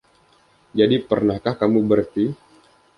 Jadi pernahkah kamu, Bertie.